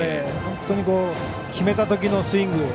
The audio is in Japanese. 本当に決めたときのスイング